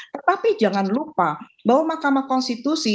tetapi jangan lupa bahwa mahkamah konstitusi